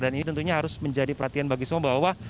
ini tentunya harus menjadi perhatian bagi semua bahwa